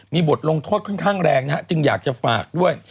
มีบทลงโทษค่อนข้างแรงนะฮะจึงอยากจะฝากด้วย